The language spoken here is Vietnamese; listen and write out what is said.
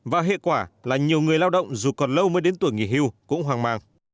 và hệ quả là nhiều người lao động dù còn lâu mới đến tuổi nghỉ hưu cũng hoang mang